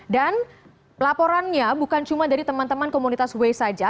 dan laporannya bukan cuma dari teman teman komunitas way saja